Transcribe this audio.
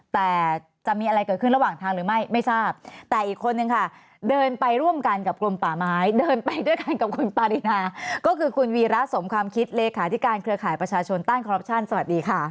แต่จะมีอะไรเกิดขึ้นระหว่างทางหรือไม่ไม่ทราบแต่อีกคนนึงค่ะเดินไปร่วมกันกับกรมป่าไม้เดินไปด้วยกันกับคุณปารีนาก็คือคุณวีระสมความคิดเลขาธิการเครือข่ายประชาชนต้านคอรัปชั่นสวัสดีค่ะ